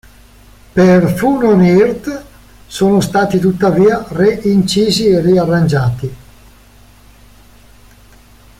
Per "Fun On Earth" sono stati tuttavia re-incisi e riarrangiati.